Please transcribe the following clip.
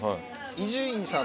伊集院さん？